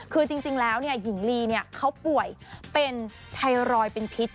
คือจริงแล้วหญิงลีเขาป่วยเป็นไทรอยด์เป็นพิษ